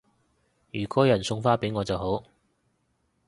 如果有人送花俾我就好